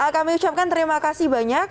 kami ucapkan terima kasih banyak